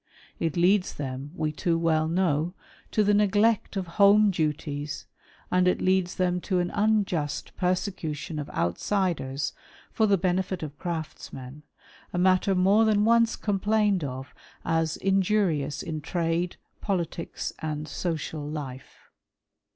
It leads them, we too well know, to the neglect of home duties, and it leads them to an unjust persecution of outsiders, for the benefit of Craftsmen — a matter more than once com plained of as injurious in trade, politics, and social life.